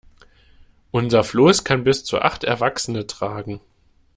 Unser Floß kann bis zu acht Erwachsene tragen.